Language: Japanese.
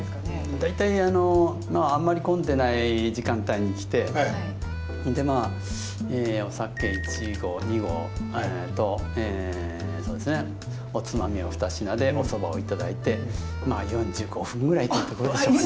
大体あのあんまり混んでない時間帯に来てでまあお酒一合二合とそうですねおつまみを二品でお蕎麦を頂いてまあ４５分ぐらいってところでしょうかね。